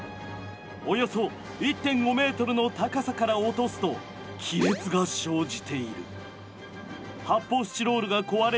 およそ１．５ｍの高さから落とすと亀裂が生じている。